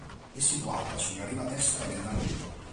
È situata sulla riva destra del Danubio.